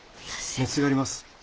熱があります。